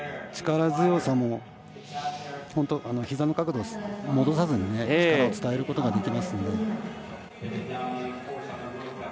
力強さもひざの角度、戻さずに力を伝えることができますので。